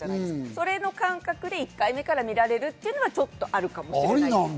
それの感覚で１回目から見られるというのはあるかもしれない。